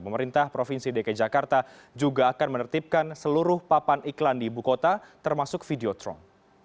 pemerintah provinsi dki jakarta juga akan menertibkan seluruh papan iklan di ibu kota termasuk videotron